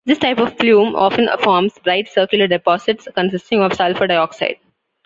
This type of plume often forms bright circular deposits consisting of sulfur dioxide.